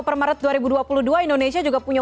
per maret dua ribu dua puluh dua indonesia juga punya